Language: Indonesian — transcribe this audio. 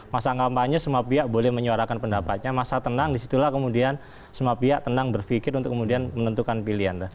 masa kampanye semua pihak boleh menyuarakan pendapatnya masa tenang disitulah kemudian semua pihak tenang berpikir untuk kemudian menentukan pilihan